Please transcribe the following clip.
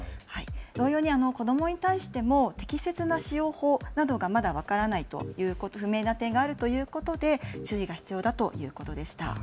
同様に子どもに対しても適切な使用法のなどがまだ分からないという不明な点があるということなので注意が必要だということでした。